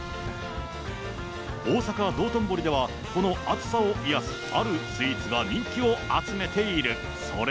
大阪・道頓堀では、この暑さを癒やすあるスイーツが人気を集めている。